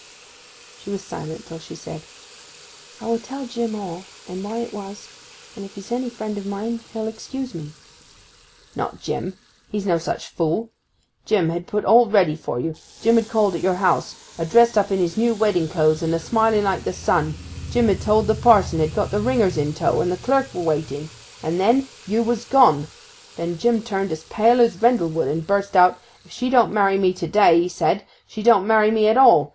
She was silent; till she said, 'I will tell Jim all, and why it was; and if he's any friend of mine he'll excuse me.' 'Not Jim—he's no such fool. Jim had put all ready for you, Jim had called at your house, a dressed up in his new wedding clothes, and a smiling like the sun; Jim had told the parson, had got the ringers in tow, and the clerk awaiting; and then—you was gone! Then Jim turned as pale as rendlewood, and busted out, "If she don't marry me to day," 'a said, "she don't marry me at all!